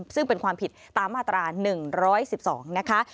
ซึ่งเป็นความผิดตามมาตรา๑๑๒นะคะ